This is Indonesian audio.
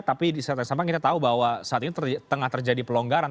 tapi disaat ini kita tahu bahwa saat ini tengah terjadi pelonggaran